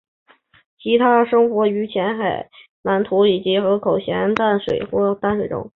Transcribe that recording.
其多生活于浅海滩涂以及河口咸淡水或淡水中。